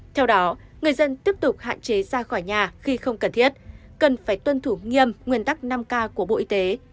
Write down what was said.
theo đó người dân tiếp tục hạn chế ra khỏi nhà khi không cần thiết cần phải tuân thủ nghiêm nguyên tắc năm k của bộ y tế